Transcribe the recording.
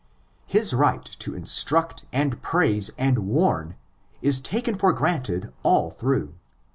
His right to instruct and praise and warn is taken for granted all through.